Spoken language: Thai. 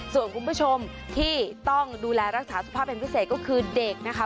ส่วนคุณผู้ชมที่ต้องดูแลรักษาสุขภาพเป็นพิเศษก็คือเด็กนะคะ